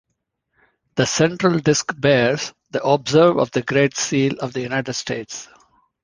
The central disc bears the obverse of the Great Seal of the United States.